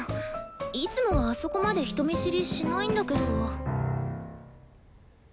いつもはあそこまで人見知りしないんだけど。